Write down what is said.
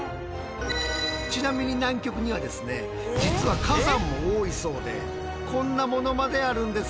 ちなみに南極にはですね実は火山も多いそうでこんなものまであるんです。